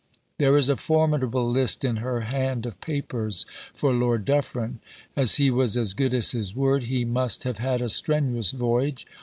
There is a formidable list in her hand of "Papers for Lord Dufferin." As he was as good as his word, he must have had a strenuous voyage.